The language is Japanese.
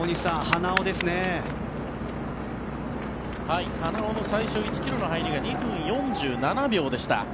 花尾の最初の１ｋｍの入りが２分４７秒でした。